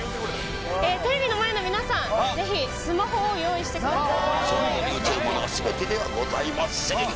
テレビの前の皆さん、ぜひスマホを用意してください。